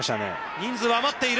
人数は余っている。